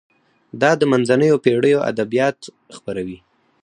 دا د منځنیو پیړیو ادبیات خپروي.